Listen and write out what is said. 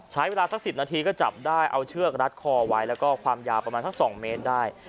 ใช้เวลาสัก๑๐นาทีก็จับได้เอาเชือกรัดคอไว้แล้วก็ความยาวประมาณสัก๒เมตรได้